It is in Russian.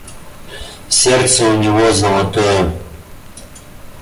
Сердце у него золотое.